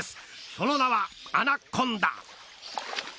その名はアナコンダ。